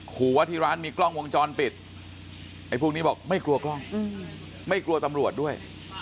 ขอว่าที่ร้านมีกล้องวงจรปิดไอ้พวกนี้บอกไม่กลัวกล้องไม่กลัวตำรวจด้วย